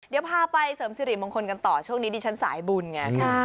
เดี๋ยวพาไปเสริมสิริมงคลกันต่อช่วงนี้ดิฉันสายบุญไง